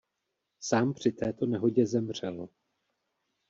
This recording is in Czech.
Sám při této nehodě zemřel.